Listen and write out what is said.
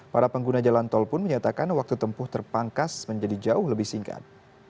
para pengguna jalan tol pun menyatakan waktu tempuh terpangkas menjadi jauh lebih singkat